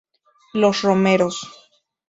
Los Romeros